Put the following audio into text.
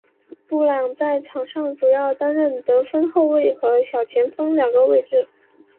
布朗在场上主要担任得分后卫和小前锋两个位置。